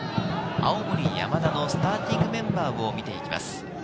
青森山田のスターティングメンバーを見ていきます。